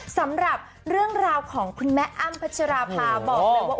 สำหรับเรื่องราวของคุณแม่อ้ำพัชราภาบอกเลยว่า